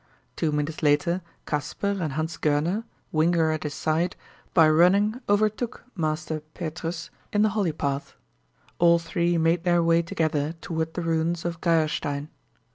Two minutes later Kasper and Hans Goerner, whinger at his side, by running overtook Master Petrus in the holly path. All three made their way together toward the ruins of Geierstein.